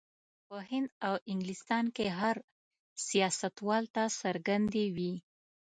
په هند او انګلستان کې هر سیاستوال ته څرګندې وې.